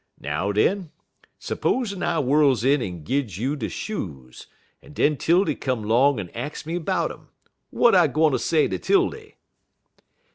Now den, s'pozen I whirls in en gins you de shoes, en den 'Tildy come 'long en ax me 'bout um, w'at I gwine say ter 'Tildy?"